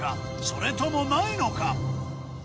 それともないのか？